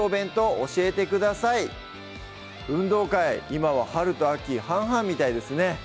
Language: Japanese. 今は春と秋半々みたいですね